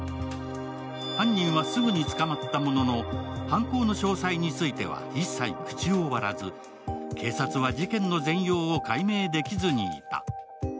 犯人はすぐに捕まったものの、犯行の詳細については一切口を割らず、警察は事件の全容を解明できずにいた。